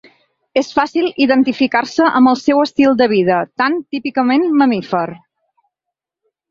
És fàcil identificar-se amb el seu estil de vida, tan típicament mamífer.